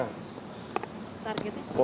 targetnya seperti apa pak